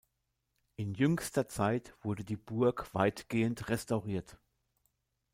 In jüngster Zeit wurde die Burg weitgehend restauriert.